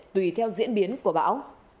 tùy theo diễn biến của bão